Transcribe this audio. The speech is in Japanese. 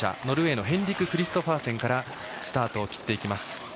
ノルウェーのヘンリク・クリストファーセンからスタートを切っていきます。